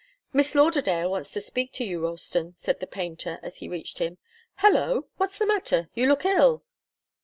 "Miss Lauderdale wants to speak to you, Ralston," said the painter, as he reached him. "Hallo! What's the matter? You look ill."